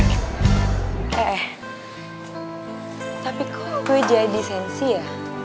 eh eh tapi kok gue jadi sensi ya